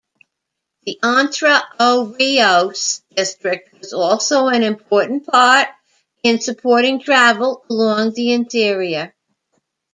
The "Entre-os-Rios" district was also an important part in supporting travel along the interior.